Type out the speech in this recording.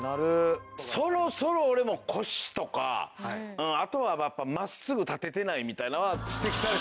そろそろ俺も腰とかあとはやっぱ真っすぐ立ててないみたいなんは指摘された。